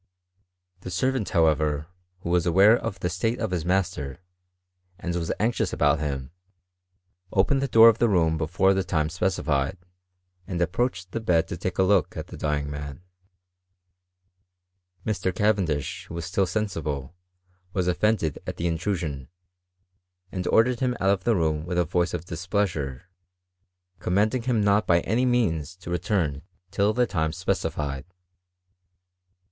The servant, hoKf ever, who was aware of the state of his master, andwRH anxious about him, opened the door of the room befon^ the time specified, and approached the bed to take, a look atthe dying man. Mr. Cavendish, who was stilt s offended at the intrusion, and ordered (vith a voice of displeasure, cotni* manding him not by any means to return till the timi CHBinSTRT Iir OSEAT BRITAIN. C39 Specified.